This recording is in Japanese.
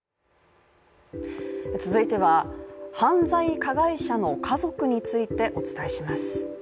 続いては、犯罪加害者の家族についてお伝えします。